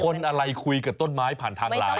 คนอะไรคุยกับต้นไม้ผ่านทางไลน์